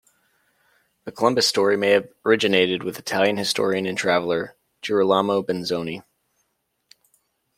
The Columbus story may have originated with Italian historian and traveler Girolamo Benzoni.